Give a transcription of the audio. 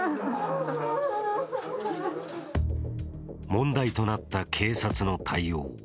問題となった警察の対応。